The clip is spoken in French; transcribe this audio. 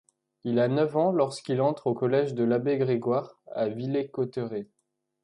Il a neuf ans lorsqu'il entre au collège de l'abbé Grégoire à Villers-Cotterêts.